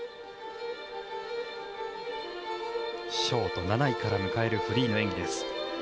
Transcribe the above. ショート７位から迎えるフリーの演技です。